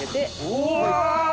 うわ！